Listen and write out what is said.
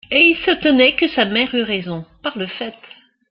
Et il s'étonnait que sa mère eût raison, par le fait.